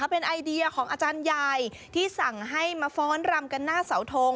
เป็นไอเดียของอาจารย์ใหญ่ที่สั่งให้มาฟ้อนรำกันหน้าเสาทง